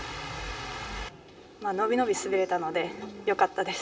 伸び伸び滑れたので、よかったです。